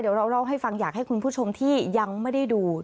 เดี๋ยวเราเล่าให้ฟังอยากให้คุณผู้ชมที่ยังไม่ได้ดู